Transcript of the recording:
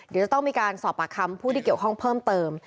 เดี๋ยวจะต้องมีการสอบปากคำผู้ที่เกี่ยวข้องเพิ่มเติม